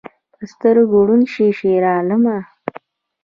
په سترګو ړوند شې شیرعالمه